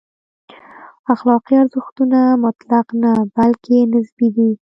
اخلاقي ارزښتونه مطلق نه، بلکې نسبي دي.